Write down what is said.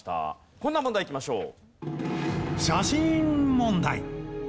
こんな問題いきましょう。